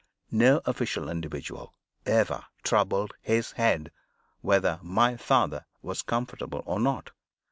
No official individual ever troubled his head whether my father was comfortable or not.